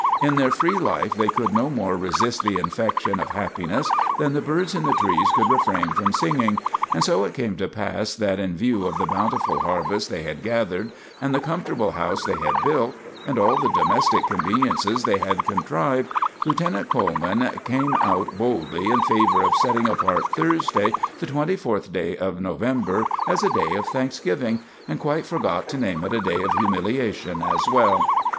In their free life they could no more resist the infection of happiness than the birds in the trees could refrain from singing, and so it came to pass that in view of the bountiful harvest they had gathered, and the comfortable house they had built, and all the domestic conveniences they had contrived, Lieutenant Coleman came out boldly in favor of setting apart Thursday, the twenty fourth day of November, as a Day of Thanksgiving, and quite forgot to name it a day of humiliation as well.